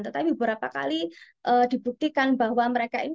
tetapi beberapa kali dibuktikan bahwa mereka ini